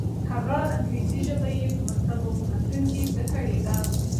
هغه انګریزي ژبه یې په مکتب او پوهنتون کې زده کړې ده.